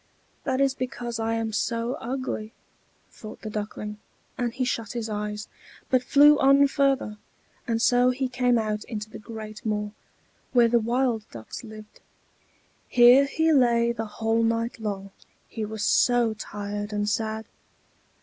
"That is because I am so ugly!" thought the Duckling; and he shut his eyes, but flew on further; and so he came out into the great moor, where the wild ducks lived. Here he lay the whole night long, he was so tired and sad.